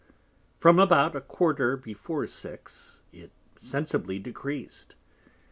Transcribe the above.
From about a Quarter before Six it sensibly decreas'd.